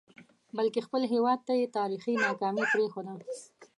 بلکې خپل هیواد ته یې تاریخي ناکامي پرېښوده.